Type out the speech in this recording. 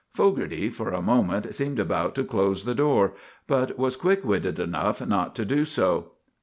Fogarty for a moment seemed about to close the door, but was quick witted enough not to do so.